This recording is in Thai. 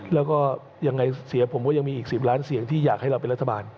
แล้วก็ยังไงเสียผมก็ยังมีอีก๑๐ล้านเสียงที่อยากให้เราเป็นรัฐบาล